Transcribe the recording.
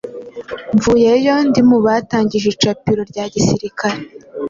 Mvuyeyo ndi mu batangije icapiro rya gisirikare.